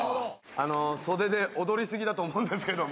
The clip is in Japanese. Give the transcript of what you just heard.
あの袖で踊り過ぎだと思うんですけども。